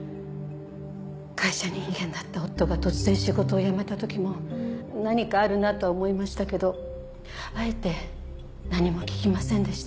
会社人間だった夫が突然仕事を辞めた時も何かあるなとは思いましたけどあえて何も聞きませんでした。